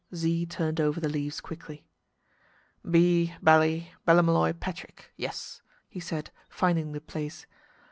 Z turned over the leaves quickly. "B Bally Ballymolloy Patrick Yes," he said, finding the place.